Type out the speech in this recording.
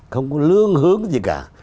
không có lương hướng gì cả